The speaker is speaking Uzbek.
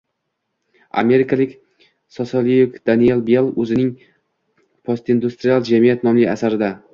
Amerikalik sosiolog Deniel Bell o`zining Postindustrial jamiyat nomli asarida